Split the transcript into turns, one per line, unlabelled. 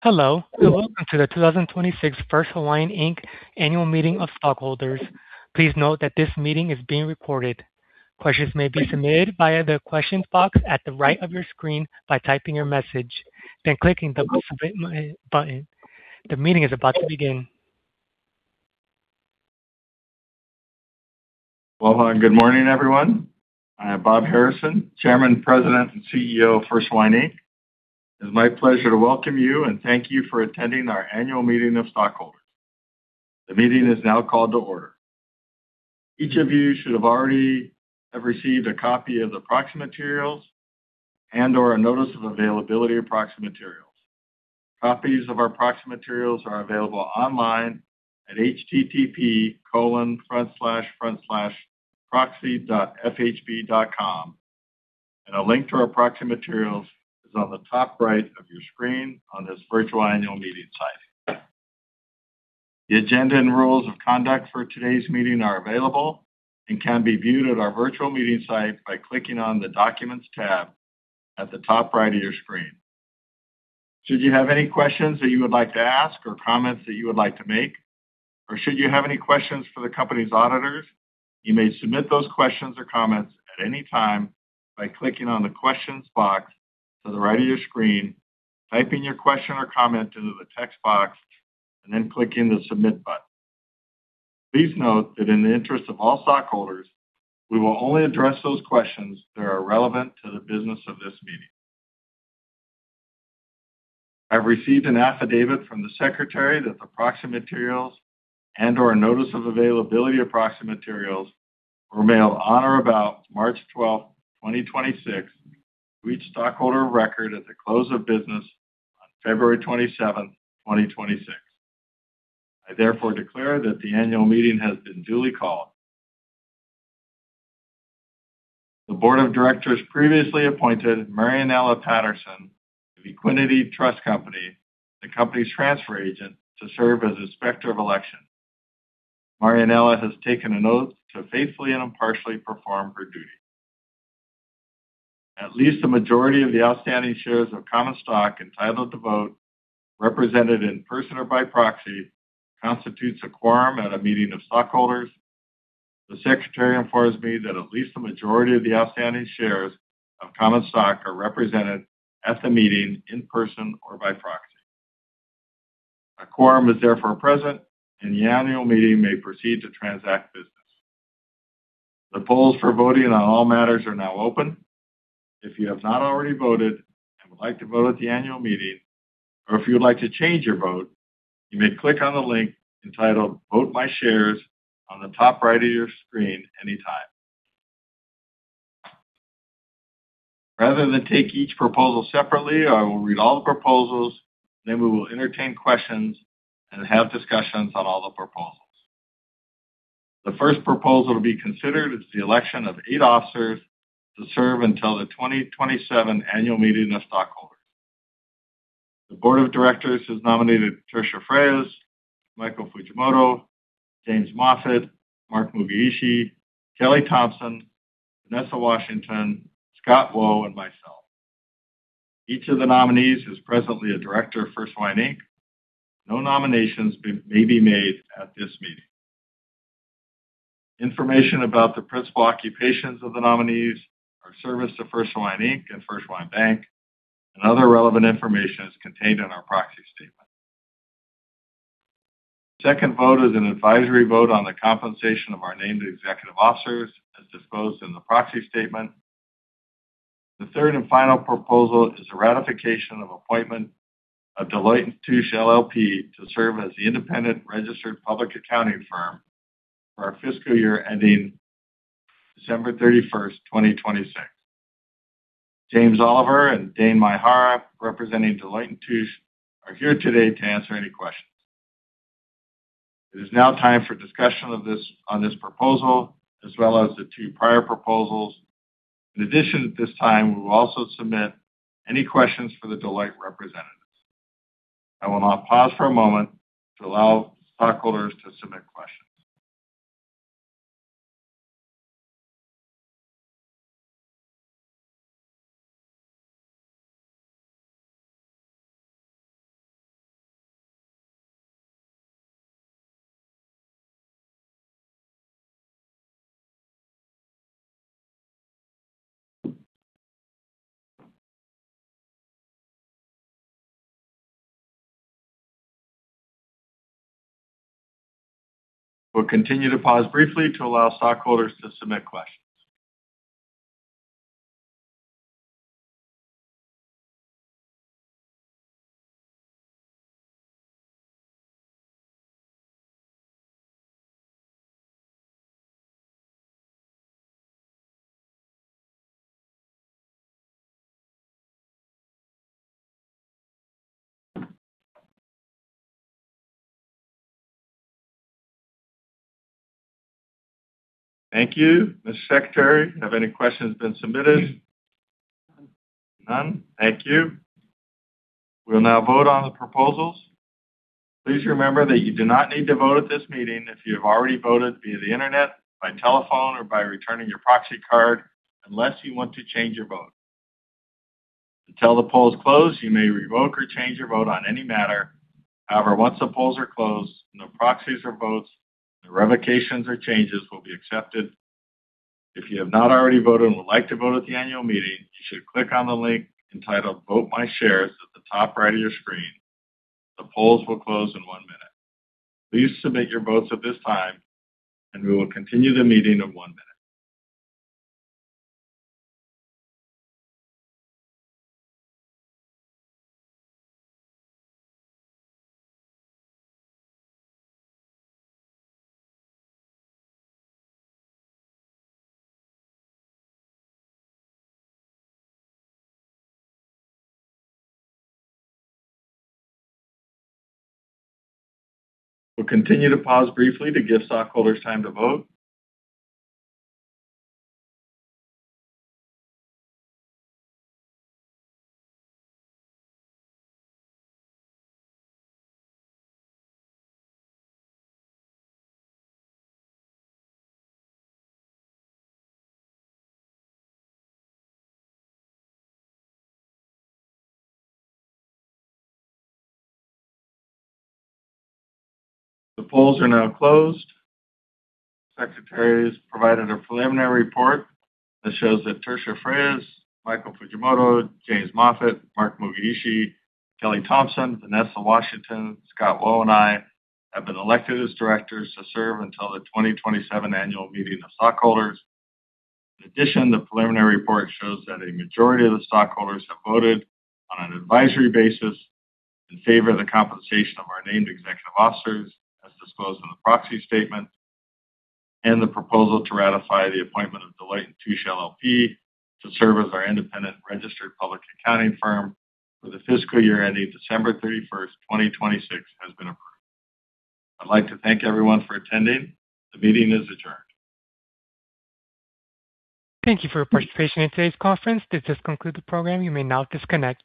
Hello, and welcome to the 2026 First Hawaiian, Inc. Annual Meeting of Stockholders. Please note that this meeting is being recorded. Questions may be submitted via the questions box at the right of your screen by typing your message, then clicking the submit button. The meeting is about to begin.
Well, good morning, everyone. I am Bob Harrison, Chairman, President, and CEO of First Hawaiian, Inc. It is my pleasure to welcome you, and thank you for attending our annual meeting of stockholders. The meeting is now called to order. Each of you should have already received a copy of the proxy materials and/or a notice of availability of proxy materials. Copies of our proxy materials are available online at http://proxy.fhb.com, and a link to our proxy materials is on the top right of your screen on this virtual annual meeting site. The agenda and rules of conduct for today's meeting are available and can be viewed at our virtual meeting site by clicking on the Documents tab at the top right of your screen. Should you have any questions that you would like to ask or comments that you would like to make, or should you have any questions for the company's auditors, you may submit those questions or comments at any time by clicking on the questions box to the right of your screen, typing your question or comment into the text box, and then clicking the Submit button. Please note that in the interest of all stockholders, we will only address those questions that are relevant to the business of this meeting. I have received an affidavit from the secretary that the proxy materials and/or notice of availability of proxy materials were mailed on or about March 12th, 2026, to each stockholder of record at the close of business on February 27th, 2026. I therefore declare that the annual meeting has been duly called. The Board of Directors previously appointed Marianela Patterson of Equiniti Trust Company, the company's transfer agent, to serve as Inspector of Election. Marianela has taken an oath to faithfully and impartially perform her duties. At least a majority of the outstanding shares of common stock entitled to vote, represented in person or by proxy, constitutes a quorum at a meeting of stockholders. The secretary informs me that at least a majority of the outstanding shares of common stock are represented at the meeting in person or by proxy. A quorum is therefore present, and the annual meeting may proceed to transact business. The polls for voting on all matters are now open. If you have not already voted and would like to vote at the annual meeting, or if you would like to change your vote, you may click on the link entitled Vote My Shares on the top right of your screen anytime. Rather than take each proposal separately, I will read all the proposals, and then we will entertain questions and have discussions on all the proposals. The first proposal to be considered is the election of eight officers to serve until the 2027 annual meeting of stockholders. The Board of Directors has nominated Tertia Freas, Michael Fujimoto, James Moffatt, Mark Mugiishi, Kelly Thompson, Vanessa Washington, Scott Wo, and myself. Each of the nominees is presently a director of First Hawaiian, Inc. No nominations may be made at this meeting. Information about the principal occupations of the nominees or service to First Hawaiian, Inc. First Hawaiian Bank and other relevant information is contained in our proxy statement. The second vote is an advisory vote on the compensation of our named executive officers as disclosed in the proxy statement. The third and final proposal is the ratification of appointment of Deloitte & Touche LLP to serve as the independent registered public accounting firm for our fiscal year ending December 31st, 2026. James Oliver and Dane Maehara, representing Deloitte & Touche, are here today to answer any questions. It is now time for discussion on this proposal, as well as the two prior proposals. In addition, at this time, we will also submit any questions for the Deloitte representatives. I will now pause for a moment to allow stockholders to submit questions. We'll continue to pause briefly to allow stockholders to submit questions. Thank you. Ms. Secretary, have any questions been submitted?
None.
None. Thank you. We will now vote on the proposals. Please remember that you do not need to vote at this meeting if you have already voted via the internet, by telephone, or by returning your proxy card, unless you want to change your vote. Until the polls close, you may revoke or change your vote on any matter. However, once the polls are closed, no proxies or votes, no revocations or changes will be accepted. If you have not already voted and would like to vote at the annual meeting, you should click on the link entitled Vote My Shares at the top right of your screen. The polls will close in one minute. Please submit your votes at this time, and we will continue the meeting in one minute. We'll continue to pause briefly to give stockholders time to vote. The polls are now closed. Secretary's provided a preliminary report that shows that Tertia Freas, Michael Fujimoto, James Moffatt, Mark Mugiishi, Kelly Thompson, Vanessa Washington, Scott Wo, and I have been elected as directors to serve until the 2027 annual meeting of stockholders. In addition, the preliminary report shows that a majority of the stockholders have voted on an advisory basis in favor of the compensation of our named executive officers, as disclosed in the proxy statement, and the proposal to ratify the appointment of Deloitte & Touche LLP to serve as our independent registered public accounting firm for the fiscal year ending December 31st, 2026 has been approved. I'd like to thank everyone for attending. The meeting is adjourned.
Thank you for your participation in today's conference. This does conclude the program. You may now disconnect.